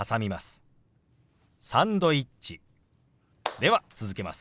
では続けます。